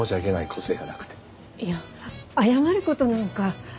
いや謝る事なんか。